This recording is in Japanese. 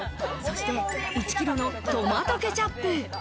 そして１キロのトマトケチャップ。